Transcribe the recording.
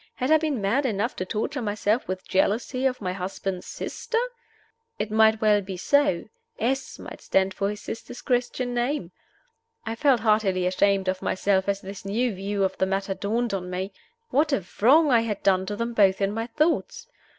Had I been mad enough to torture myself with jealousy of my husband's sister? It might well be so; "S." might stand for his sister's Christian name. I felt heartily ashamed of myself as this new view of the matter dawned on me. What a wrong I had done to them both in my thoughts!